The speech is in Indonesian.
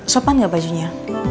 sopan gak bajunya